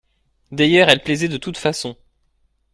D'ailleurs elle plaisait de toutes façons.